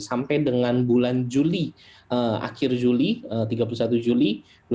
sampai dengan bulan juli akhir juli tiga puluh satu juli dua ribu dua puluh